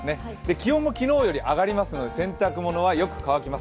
気温も昨日より上がりますので洗濯物はよく乾きます。